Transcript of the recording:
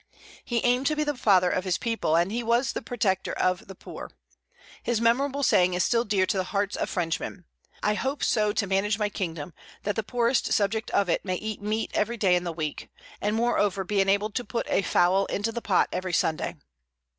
He aimed to be the father of his people, and he was the protector of the poor. His memorable saying is still dear to the hearts of Frenchmen: "I hope so to manage my kingdom that the poorest subject of it may eat meat every day in the week, and moreover be enabled to put a fowl into the pot every Sunday."